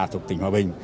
thuộc tỉnh hòa bình